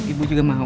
ibu juga mau